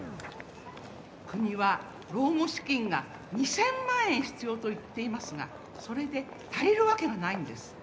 国は、老後資金が２０００万円必要と言っていますがそれで足りるわけがないんです。